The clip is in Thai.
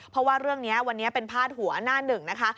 เพราะว่าเรื่องนี้วันนี้เป็นพาดหัวหน้าหนึ่งนะคะ